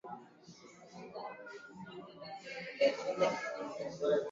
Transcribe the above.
Iran yaamua kusitisha mazungumzo yake ya siri na Saudi Arabia.